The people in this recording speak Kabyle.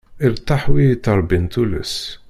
Iṛtaḥ wi ittṛebbin tullas.